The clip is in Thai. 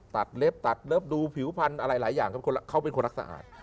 เล็บตัดเลิฟดูผิวพันธุ์อะไรหลายอย่างเขาเป็นคนรักสะอาด